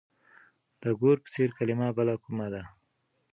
د ګور په څېر کلمه بله کومه ده؟